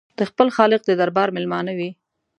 د خپل خالق د دربار مېلمانه وي.